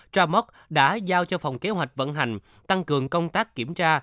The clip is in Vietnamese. tramoc đã giao cho phòng kế hoạch vận hành tăng cường công tác kiểm tra